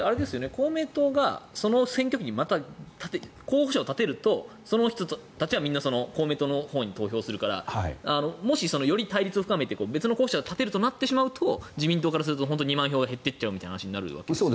公明党がその選挙区にまた候補者を立てるとその人たちはみんな公明党のほうに投票するからより対立を深めてほかの候補者を立てるとなると自民党からすると２万票が減るみたいな話になるわけですよね。